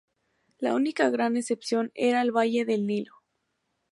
La única gran excepción era el Valle del Nilo.